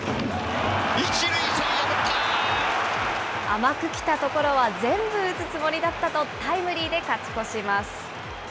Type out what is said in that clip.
甘く来た所は全部打つつもりだったと、タイムリーで勝ち越します。